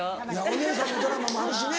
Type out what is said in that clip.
お姉さんのドラマもあるしね。